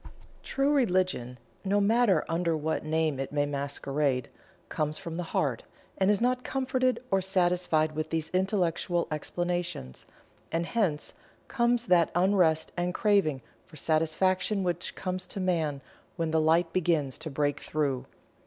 True religion, no matter under what name it may masquerade, comes from the "heart" and is not comforted or satisfied with these Intellectual explanations, and hence comes that unrest and craving for satisfaction which comes to Man when the light begins to break through.